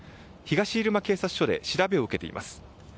東入間警察署で調べを受けています。